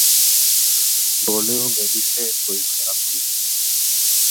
بولیو میری صحت کوئی خراب تھی۔